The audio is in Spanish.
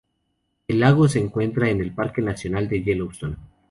El lago se encuentra en el Parque nacional de Yellowstone.